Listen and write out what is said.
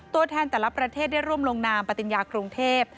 ตัวแทนแต่ละประเทศได้ร่วมลงนามปติญญากรุงเทพ